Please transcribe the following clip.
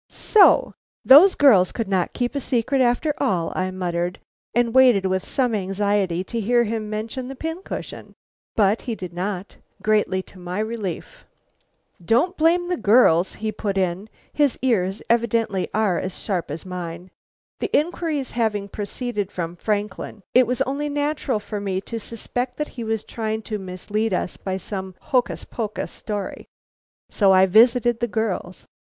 "So! those girls could not keep a secret after all," I muttered; and waited with some anxiety to hear him mention the pin cushion; but he did not, greatly to my relief. "Don't blame the girls!" he put in (his ears evidently are as sharp as mine); "the inquiries having proceeded from Franklin, it was only natural for me to suspect that he was trying to mislead us by some hocus pocus story. So I visited the girls.